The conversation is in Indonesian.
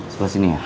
sebelah sini ya